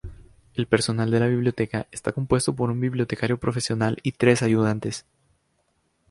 El personal de la biblioteca está compuesto por un bibliotecario profesional y tres ayudantes.